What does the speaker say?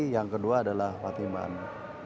yang kedua adalah fatimah anu